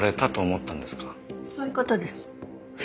そういう事です。